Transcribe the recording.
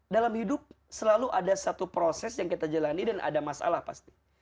dalam hidup selalu ada satu proses yang kita jalani dan ada masalah pasti